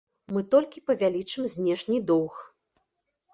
Мы толькі павялічым знешні доўг.